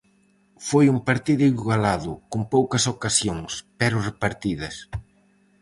Foi un partido igualado, con poucas ocasións, pero repartidas.